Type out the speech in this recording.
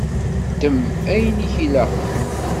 Ddem ayen i k-ilaqen.